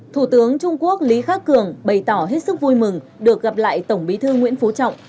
thủ tướng trung quốc lý khắc cường bày tỏ hết sức vui mừng được gặp lại tổng bí thư nguyễn phú trọng